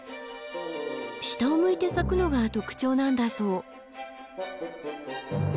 下を向いて咲くのが特徴なんだそう。